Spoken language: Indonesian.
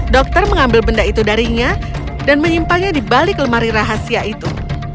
dokter mengambil benda itu darinya dan menyimpannya di balik lemari rahasia itu